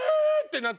って